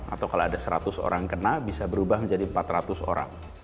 atau kalau ada seratus orang kena bisa berubah menjadi empat ratus orang